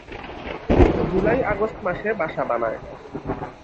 জুলাই-আগস্ট মাসে বাসা বানায়।